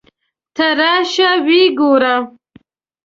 ته راشه ویې ګوره.